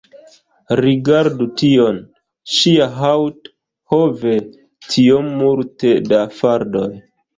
Rigardu tion; ŝia haŭto! ho ve! tiom multe da faldoj